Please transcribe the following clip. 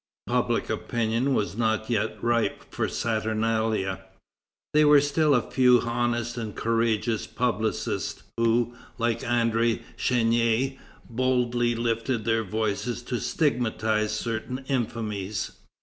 Public opinion was not yet ripe for saturnalia. There were still a few honest and courageous publicists who, like André Chénier, boldly lifted their voices to stigmatize certain infamies.